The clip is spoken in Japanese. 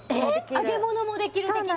揚げ物もできる的な？